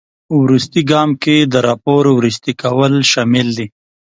وروستي ګام کې د راپور وروستي کول شامل دي.